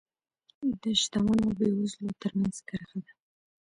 د شتمنو او بېوزلو ترمنځ کرښه ده.